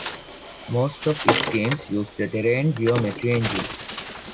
Most of its games used the Terrain geometry engine.